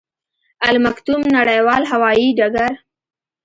المکتوم نړیوال هوايي ډګر